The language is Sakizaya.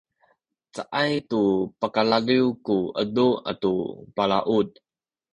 caay tu pakalaliw ku edu atu balaut